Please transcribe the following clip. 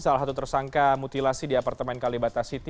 salah satu tersangka mutilasi di apartemen kalibata city